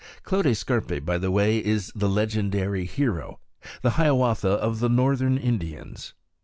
Clote Scarpe, by the way, is the legendary hero, the Hiawatha of the northern Indians.